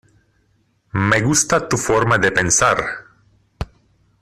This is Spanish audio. Me gusta tu forma de pensar.